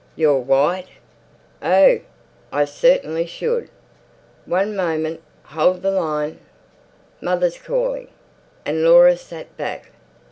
Your white? Oh, I certainly should. One moment—hold the line. Mother's calling." And Laura sat back.